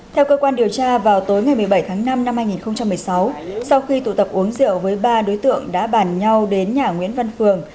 theo cơ quan điều tra vào tối ngày một mươi bảy tháng năm năm hai nghìn một mươi sáu sau khi tụ tập uống rượu với ba đối tượng đã bàn nhau đến nhà nguyễn văn phường